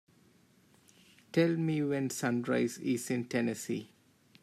Tell me when sunrise is in Tennessee